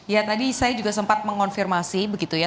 ya tadi saya juga sempat mengonfirmasi begitu ya